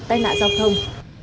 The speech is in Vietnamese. tên nạn giao thông